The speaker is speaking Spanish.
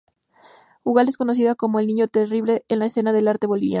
Ugalde es conocido como "el niño terrible" en la escena del arte boliviano.